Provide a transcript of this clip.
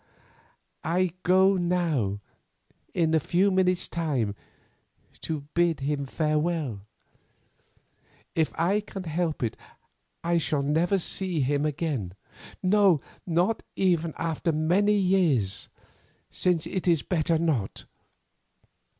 I go now, in a few minutes' time, to bid him farewell. If I can help it I shall never see him again. No, not even after many years, since it is better not.